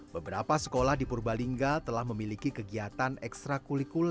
beberapa sekolah di purbalingga telah memiliki kegiatan ekstra kulikuler